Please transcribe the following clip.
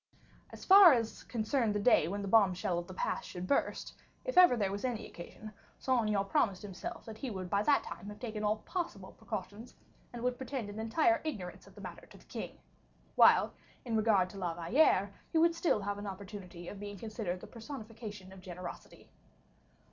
As far as concerned the day when the bombshell of the past should burst, if ever there were any occasion, Saint Aignan promised himself that he would by that time have taken all possible precautions, and would pretend an entire ignorance of the matter to the king; while, with regard to La Valliere, he would still have an opportunity of being considered the personification of generosity.